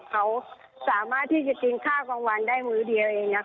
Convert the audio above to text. เขาสามารถที่จะกินข้าวกลางวันได้มื้อเดียวเองนะคะ